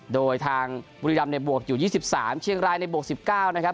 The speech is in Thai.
โดยทางบุรีรัมณ์เนี่ยบวกอยู่ยี่สิบสามเชียงรายในบวกสิบเก้านะครับ